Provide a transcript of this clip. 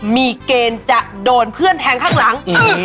มีเกณฑ์จะโดนเพื่อนแทงข้างหลัง